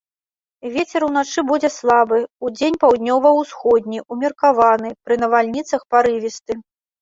Вецер уначы будзе слабы, удзень паўднёва-ўсходні, умеркаваны, пры навальніцах парывісты.